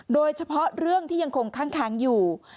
โดยเฉพาะเรื่องที่ยังคงค้างอยู่